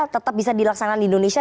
tetap bisa dilaksanakan di indonesia